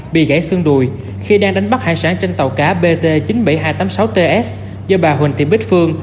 bị gãy xương đùi khi đang đánh bắt hải sản trên tàu cá bt chín mươi bảy nghìn hai trăm tám mươi sáu ts do bà huỳnh thị bích phương